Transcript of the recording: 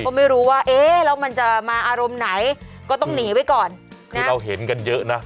ก็ไม่รู้ว่าเอ๊ะแล้วมันจะมาอารมณ์ไหนก็ต้องหนีไว้ก่อนนี่เราเห็นกันเยอะนะ